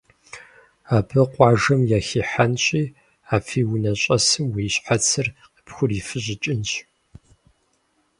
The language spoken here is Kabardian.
Абы къуажэм яхихьэнщи а фи унэ щӏэсым уи щхьэцыр къыпхурифыщӏыкӏынщ.